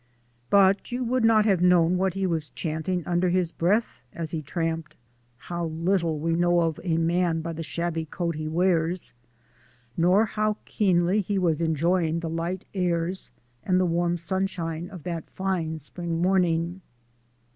But you would not have known what he was chanting under his breath as he tramped (how little we know of a man by the shabby coat he wears), nor how keenly he was enjoying the light airs and the warm sunshine of that fine spring morning.